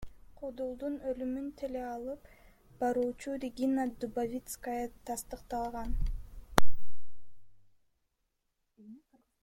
Куудулдун өлүмүн теле алып баруучу Регина Дубовицкая тастыктаган.